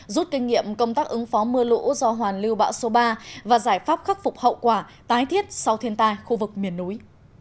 rút kinh nghiệm công tác ứng phó mưa lũ do hoàn lưu bão số ba và giải pháp khắc phục hậu quả tái thiết sau thiên tai khu vực miền núi